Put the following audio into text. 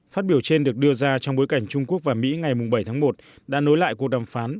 phát biểu trên được đưa ra trong bối cảnh trung quốc và mỹ ngày bảy tháng một đã nối lại cuộc đàm phán